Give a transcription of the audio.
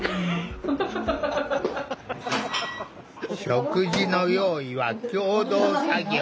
食事の用意は共同作業。